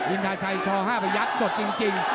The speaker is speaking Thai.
อินทราชัยช่องห้าประยักษณ์สดจริง